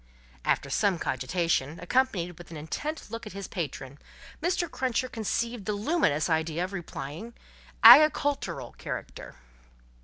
After some cogitation, accompanied with an intent look at his patron, Mr. Cruncher conceived the luminous idea of replying, "Agicultooral character."